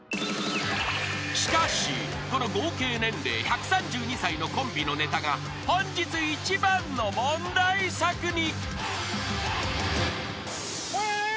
［しかしこの合計年齢１３２歳のコンビのネタが本日一番の問題作に］